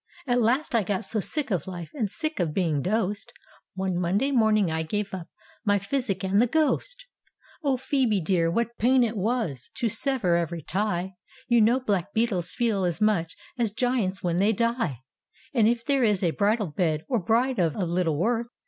At last I got so sick of life. And sick of being dosed, One Monday morning I gave up My physic and the ghost t "Oh, Phoebe dear, what pain it was To sever every tie I You know black beetles feel as much As giants when tliey die. And if there is a bridal bed. Or bride of little worth.